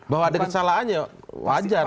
bahwa ada kesalahannya wajar